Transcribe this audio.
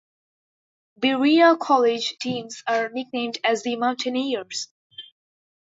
Berea College teams are nicknamed as the Mountaineers.